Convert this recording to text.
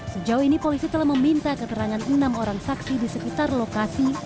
sejauh ini polisi telah meminta keterangan enam orang saksi di sekitar lokasi